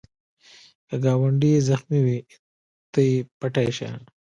که ګاونډی زخمې وي، ته یې پټۍ شه